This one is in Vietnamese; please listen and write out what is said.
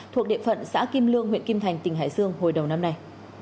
thuộc địa phận xã kim lương huyện kim thành tỉnh hải dương hồi đầu năm nay